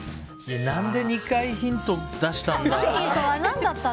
何で２回ヒント出したんだ。